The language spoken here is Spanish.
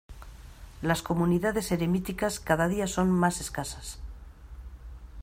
Las comunidades eremíticas cada día son más escasas.